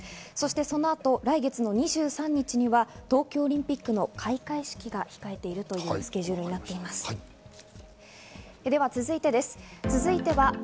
その後、来月２３日には東京オリンピックの開会式が控えているというスケジュールになっています。